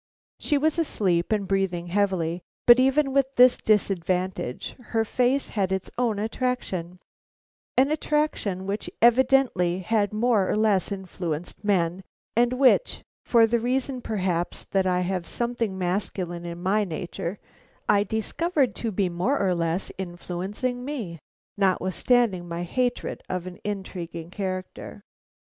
She was asleep and breathing heavily, but even with this disadvantage her face had its own attraction, an attraction which evidently had more or less influenced men, and which, for the reason perhaps that I have something masculine in my nature, I discovered to be more or less influencing me, notwithstanding my hatred of an intriguing character.